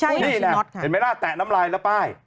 โหยวายโหยวายโหยวายโหยวายโหยวายโหยวาย